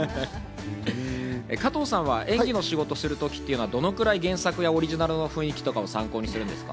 加藤さんは演技の仕事をする時っていうのはどのくらい原作やオリジナル、雰囲気とかを参考にするんですか？